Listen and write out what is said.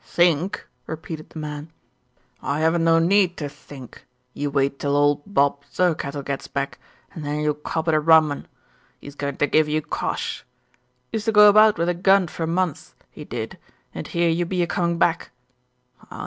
"Think!" repeated the man. "I 'aven't no need to 74 THE RETURN OF ALFRED think. You wait till old Bob Thirkettle gets back, then you'll cop it a rum 'un. He's going to give you cosh. Used to go about with a gun for months, he did, and here you be a comin' back.